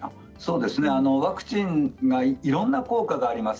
ワクチンはいろんな効果があります。